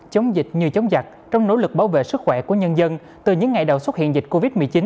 chống dịch như chống giặc trong nỗ lực bảo vệ sức khỏe của nhân dân từ những ngày đầu xuất hiện dịch covid một mươi chín